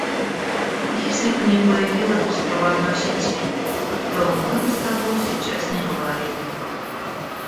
Если бы не появилось беспроводной сети, то мы бы с тобой сейчас не говорили.